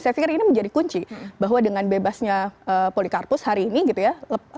saya pikir ini menjadi kunci bahwa dengan bebasnya polikarpus hari ini gitu ya